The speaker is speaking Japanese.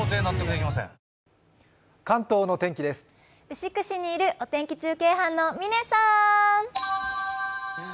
牛久市にいるお天気中継班の嶺さん。